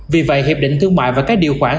vì vậy hiệp định thương mại và các điều khoản